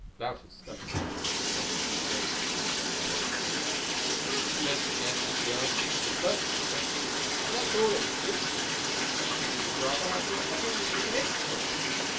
Lausch's stubby finger traced the scrollwork on the lid of the box. "I could make a guess at the answers to your first two questions, but that's all it would be. I think you would rather have the opinion of an expert."